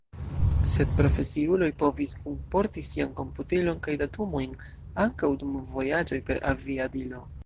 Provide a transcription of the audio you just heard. Sed profesiuloj povis kunporti sian komputilon kaj datumojn, ankaŭ dum vojaĝoj per aviadilo.